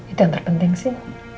itu yang terpenting sih